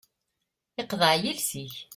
Iqḍeε yiles-ik.